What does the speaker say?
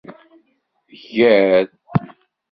Ger